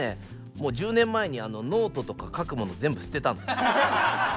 もう１０年前にノートとか書くもの全部捨てたの。